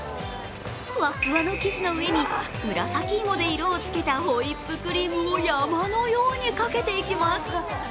フワフワの生地の上に紫芋で色をつけたホイップクリームを山のようにかけていきます